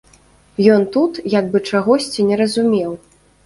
Ён тут як бы чагосьці не разумеў.